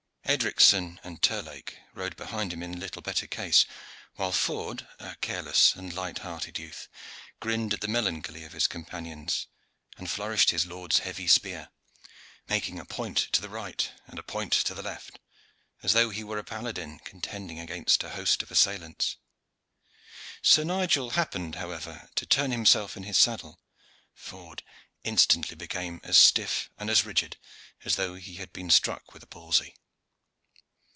Edricson and Terlake rode behind him in little better case, while Ford, a careless and light hearted youth, grinned at the melancholy of his companions, and flourished his lord's heavy spear, making a point to right and a point to left, as though he were a paladin contending against a host of assailants. Sir Nigel happened, however, to turn himself in his saddle Ford instantly became as stiff and as rigid as though he had been struck with a palsy.